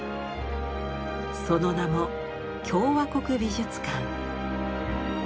その名も共和国美術館。